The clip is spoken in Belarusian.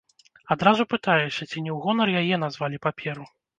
Адразу пытаюся, ці не ў гонар яе назвалі паперу.